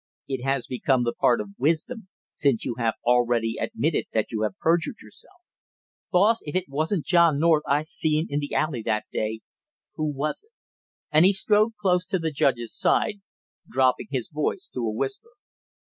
"It has become the part of wisdom, since you have already admitted that you have perjured yourself." "Boss, if it wasn't John North I seen in the alley that day, who was it?" and he strode close to the judge's side, dropping his voice to a whisper.